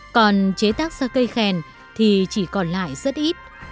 còn chế tác ra cây khen thì chỉ còn lại rất ít